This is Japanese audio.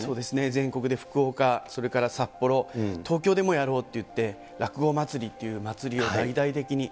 全国で福岡、それから札幌、東京でもやろうと言って、落語まつりという祭りを大々的に。